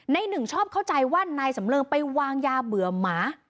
หนึ่งชอบเข้าใจว่านายสำเริงไปวางยาเบื่อหมา